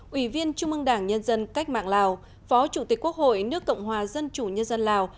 ủy viên trung ương đảng nhân dân cách mạng lào phó chủ tịch quốc hội nước cộng hòa dân chủ nhân dân lào